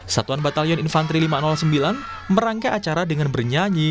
satuan batalion infanteri lima ratus sembilan merangkai acara dengan bernyanyi